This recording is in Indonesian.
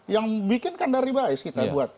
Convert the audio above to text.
yang bikin kan dari bice kita buat